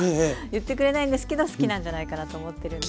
言ってくれないんですけど好きなんじゃないかなと思ってるんで。